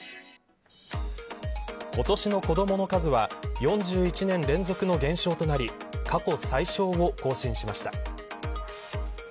今年の子どもの数は４１年連続の減少となり過去最少を更新しました。